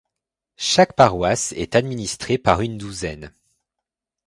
Chaque paroisse est administrée par une Douzaine.